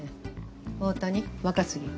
大谷若杉